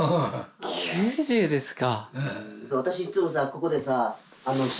９０ですか！